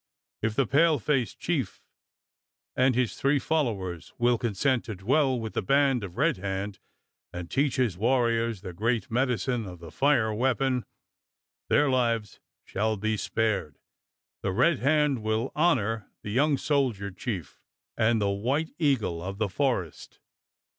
If the pale faced chief and his three followers will consent to dwell with the band of Red Hand, and teach his warriors the great medicine of the fire weapon, their lives shall be spared. The Red Hand will honour the young soldier chief, and the White Eagle of the forest."